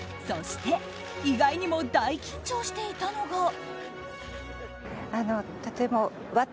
そして意外にも大緊張していたのが。